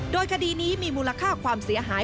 โดยคดีนี้มีมูลค่าความเสียหาย